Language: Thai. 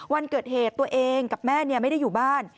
วันเกิดเหตุตัวเองกับแม่ไม่ได้อยู่บ้าน